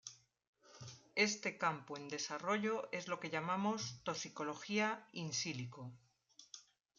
Este campo en desarrollo es lo que llamamos toxicología "in silico".